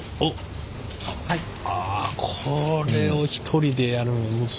あこれを一人でやるの。